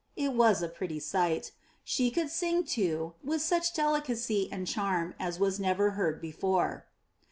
It was a pretty sight. She could sing, too, with such delicacy and charm as was never heard before.